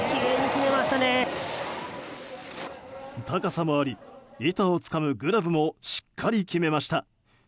高さもあり板をつかむグラブもしっかり決めました。